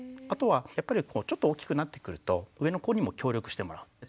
あとはちょっと大きくなってくると上の子にも協力してもらう。